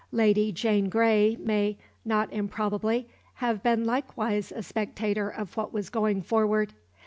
Lady Jane Grey may, not improbably, have been likewise a spectator of what was going forward.